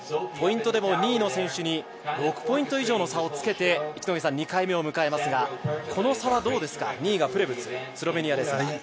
ポイントでも２位の選手に６ポイント以上の差をつけて２回目を迎えますが、この差はどうですか、２位がプレブツ、スロベニアですが。